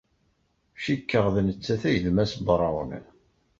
Cikkeɣ d nettat ay d Massa Brown.